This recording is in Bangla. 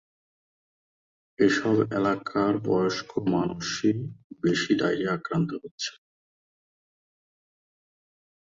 তিনি আরও বলেছিলেন যে তার নামের প্রথম অংশ "কেসি" সম্পর্কে তিনি উল্লেখ করছেন না যে তিনি কাকে উল্লেখ করছেন।